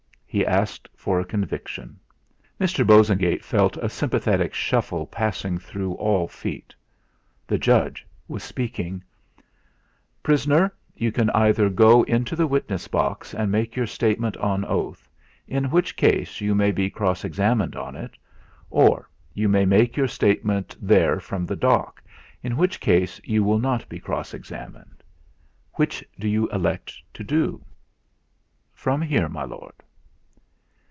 He asked for a conviction. Mr. Bosengate felt a sympathetic shuffle passing through all feet; the judge was speaking: "Prisoner, you can either go into the witness box and make your statement on oath, in which case you may be cross examined on it; or you can make your statement there from the dock, in which case you will not be cross examined. Which do you elect to do?" "From here, my lord."